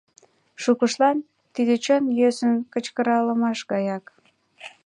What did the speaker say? Шукыштлан — тиде чон йӧсын кычкыралмаш гаяк.